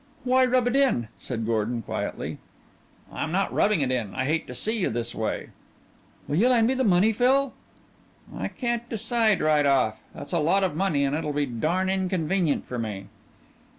"Why rub it in?" said Gordon, quietly. "I'm not rubbing it in. I hate to see you this way." "Will you lend me the money, Phil?" "I can't decide right off. That's a lot of money and it'll be darn inconvenient for me."